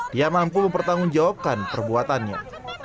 dia mampu mempertanggungjawabkan perbuatannya